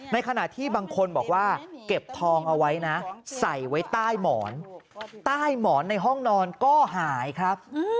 ในขณะที่บางคนบอกว่าเก็บทองเอาไว้นะใส่ไว้ใต้หมอนใต้หมอนในห้องนอนก็หายครับ